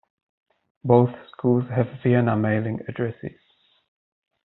Both schools have Vienna mailing addresses.